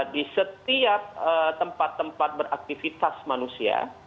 di setiap tempat tempat beraktivitas manusia